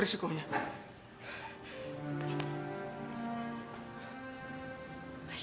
iya saya pengen kau nanggah gitu